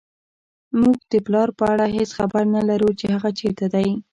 موږ د پلار په اړه هېڅ خبر نه لرو چې هغه چېرته دی